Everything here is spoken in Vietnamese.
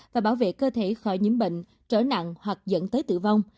và bảo vệ cơ thể khỏi những bệnh trở nặng hoặc dẫn tới tử vong